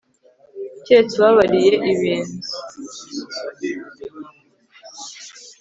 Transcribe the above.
keretse ubabariye ibintu